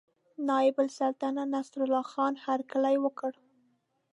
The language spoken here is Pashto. نایب السلطنته نصرالله خان هرکلی وکړ.